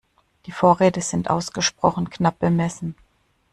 Die Vorräte sind ausgesprochen knapp bemessen.